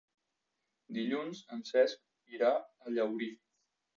Dilluns en Cesc irà a Llaurí.